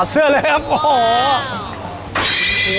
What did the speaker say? เสื้อเลยครับโอ้โห